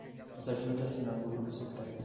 nos ajude assinando o grupo secreto